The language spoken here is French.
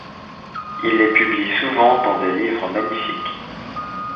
Il les publie souvent dans des livres magnifiques.